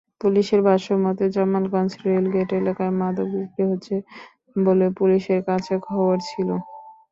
পুলিশের ভাষ্যমতে, জামালগঞ্জ রেলগেট এলাকায় মাদক বিক্রি হচ্ছে বলে পুলিশের কাছে খবর ছিল।